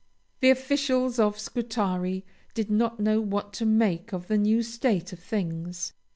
The officials of Scutari did not know what to make of the new state of things.